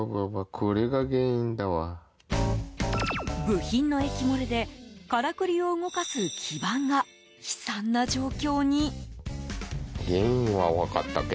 部品の液漏れでからくりを動かす基盤が悲惨な状況に。